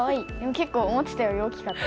結構思っていたより大きかった。